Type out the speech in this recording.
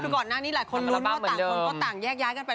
คือก่อนหน้านี้หลายคนลุ้นว่าต่างคนก็ต่างแยกย้ายกันไป